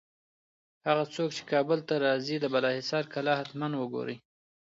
هغه څوک چي کابل ته راځي، د بالاحصار کلا حتماً ګوري.